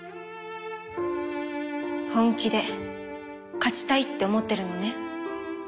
本気で勝ちたいって思ってるのね？